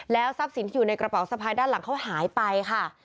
ทรัพย์สินที่อยู่ในกระเป๋าสะพายด้านหลังเขาหายไปค่ะ